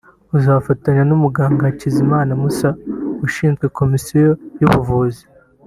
uzafatanya n’umuganga Hakizimana Mussa ushinzwe komisiyo y’ubuvuzi